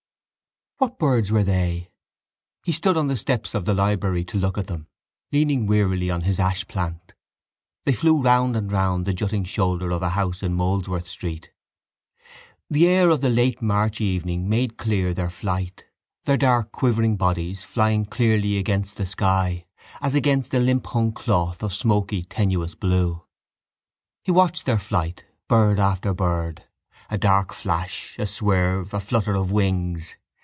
What birds were they? He stood on the steps of the library to look at them, leaning wearily on his ashplant. They flew round and round the jutting shoulder of a house in Molesworth Street. The air of the late March evening made clear their flight, their dark darting quivering bodies flying clearly against the sky as against a limp hung cloth of smoky tenuous blue. He watched their flight; bird after bird: a dark flash, a swerve, a flutter of wings.